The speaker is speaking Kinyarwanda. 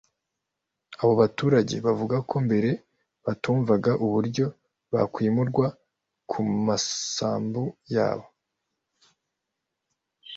Abo baturage bavuga ko mbere batumvaga uburyo bakwimurwa ku masambu yabo